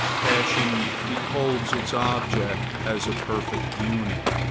Passion beholds its object as a perfect unit.